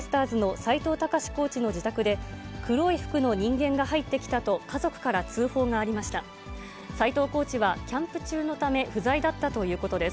斎藤コーチは、キャンプ中のため不在だったということです。